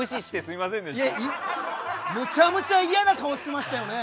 いや、めちゃめちゃいやな顔してましたよね？